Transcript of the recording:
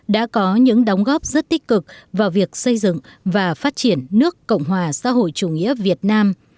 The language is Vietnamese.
đã có những đóng góp rất tích cực vào việc xây dựng và phát triển nước cộng hòa xã hội chủ nghĩa việt nam